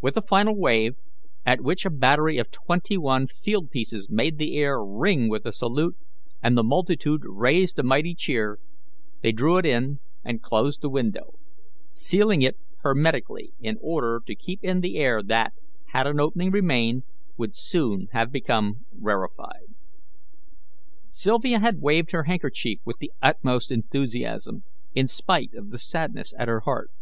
With a final wave, at which a battery of twenty one field pieces made the air ring with a salute, and the multitude raised a mighty cheer, they drew it in and closed the window, sealing it hermetically in order to keep in the air that, had an opening remained, would soon have become rarefied. Sylvia had waved her handkerchief with the utmost enthusiasm, in spite of the sadness at her heart.